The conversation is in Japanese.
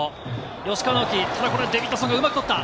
吉川尚輝、デビッドソンがうまく取った！